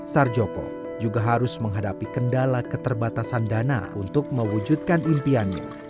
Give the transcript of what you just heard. sarjoko juga harus menghadapi kendala keterbatasan dana untuk mewujudkan impiannya